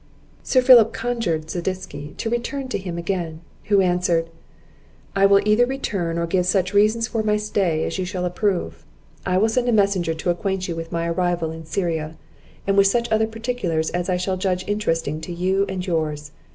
Sir Philip conjured Zadisky to return to him again, who answered: "I will either return, or give such reasons for my stay, as you shall approve. I will send a messenger to acquaint you with my arrival in Syria, and with such other particulars as I shall judge interesting to you and yours.